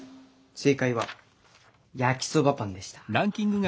正解は焼きそばパンでした。